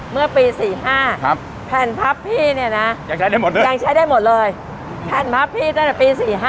เมื่อปี๔๕แผ่นพับพี่เนี่ยนะยังใช้ได้หมดเลยยังใช้ได้หมดเลยแผ่นพับพี่ตั้งแต่ปี๔๕